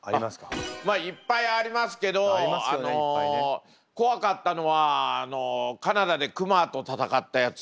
いっぱいありますけど怖かったのはカナダで熊と戦ったやつ。